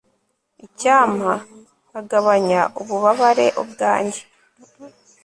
icyampa nkagabanya ububabare ubwanjye